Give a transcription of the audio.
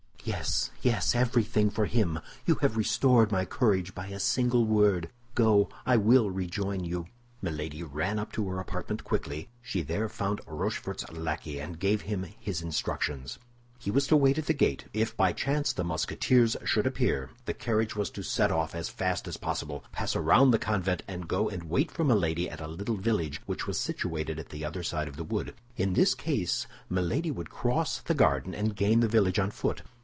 "Yes, yes, everything for him. You have restored my courage by a single word; go, I will rejoin you." Milady ran up to her apartment quickly; she there found Rochefort's lackey, and gave him his instructions. He was to wait at the gate; if by chance the Musketeers should appear, the carriage was to set off as fast as possible, pass around the convent, and go and wait for Milady at a little village which was situated at the other side of the wood. In this case Milady would cross the garden and gain the village on foot.